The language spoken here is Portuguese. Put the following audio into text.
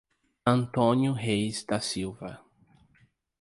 Antônio Reis da Silva